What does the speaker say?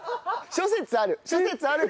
諸説ある。